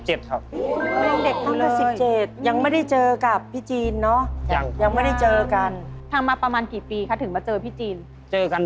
ไม่ต้องเด็กกว่าเลยยังไม่ได้เจอกับพี่จีนเนอะยังค่ะยังไม่ได้เจอกันไม่ต้องเด็กกว่าเลยยังไม่ได้เจอกับพี่จีนเนอะยังค่ะ